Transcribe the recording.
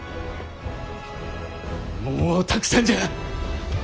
もうたくさんじゃ。